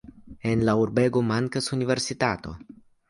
En la urbego mankas universitato.